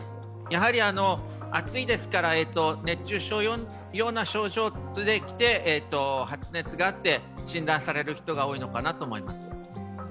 やはり、暑いですから熱中症のような症状で来て発熱があって診断される人が多いのかなと思います。